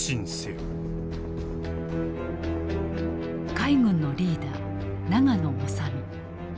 海軍のリーダー永野修身。